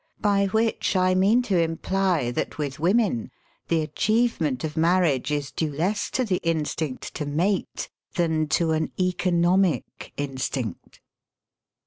By which I mean to imply that with women the achievement of marriage is due less to the instinct to mate than to an economic instinct.